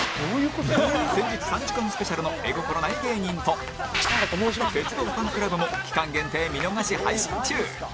先日３時間スペシャルの絵心ない芸人と鉄道ファンクラブも期間限定見逃し配信中